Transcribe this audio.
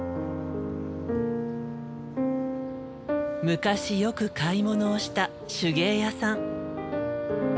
昔よく買い物をした手芸屋さん。